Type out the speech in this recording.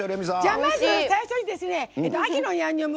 じゃあまず最初に「秋のヤンニョム」。